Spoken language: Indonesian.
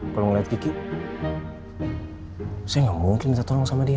kalau ngeliat kiki saya gak mungkin minta tolong sama dia